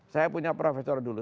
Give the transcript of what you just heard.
saya punya profesor dulu